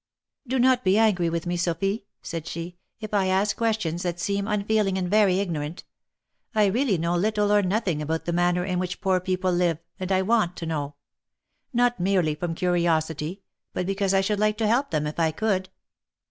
" Do not be angry with me, Sophy," said she, " if I ask questions that seem unfeeling and very ignorant. I really know little or nothing about the manner in which poor people live, and I want to know. Not merely from curiosity, but because I should like to help them if I could."